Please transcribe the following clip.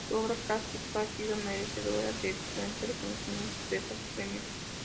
Su obra plástica ha sido merecedora de diferentes reconocimientos, becas y premios.